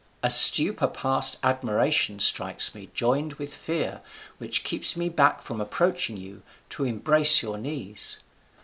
A stupor past admiration strikes me, joined with fear, which keeps me back from approaching you, to embrace your knees.